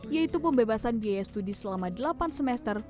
yaitu pembebasan biaya studi selama delapan semester